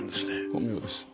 本名です。